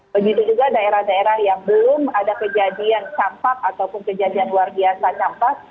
begitu juga daerah daerah yang belum ada kejadian campak ataupun kejadian luar biasa nampak